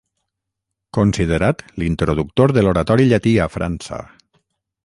Considerat l'introductor de l'oratori llatí a França.